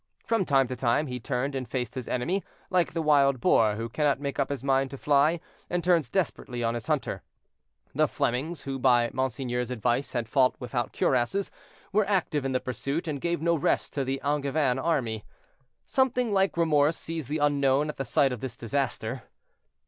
From time to time he turned and faced his enemy, like the wild boar who cannot make up his mind to fly, and turns desperately on his hunter. The Flemings, who by monseigneur's advice had fought without cuirasses, were active in the pursuit, and gave no rest to the Angevin army. Something like remorse seized the unknown at the sight of this disaster.